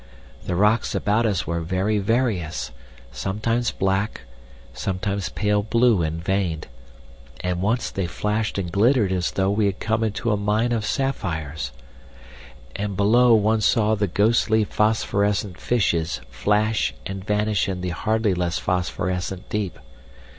The rocks about us were very various, sometimes black, sometimes pale blue and veined, and once they flashed and glittered as though we had come into a mine of sapphires. And below one saw the ghostly phosphorescent fishes flash and vanish in the hardly less phosphorescent deep.